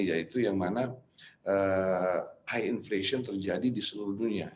yaitu yang mana high inflation terjadi di seluruh dunia